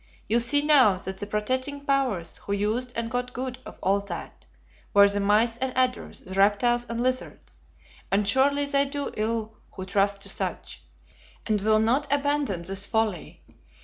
You see now that the protecting powers, who used and got good of all that, were the mice and adders, the reptiles and lizards; and surely they do ill who trust to such, and will not abandon this folly.